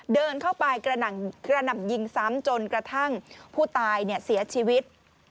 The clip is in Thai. เดินเข้าไปกระหน่ำยิงซ้ำจนกระทั่งผู้ตายเสียชีวิต